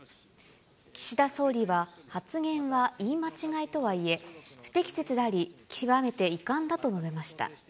岸田総理は発言は言い間違いとはいえ、不適切であり、極めて遺憾だと述べました。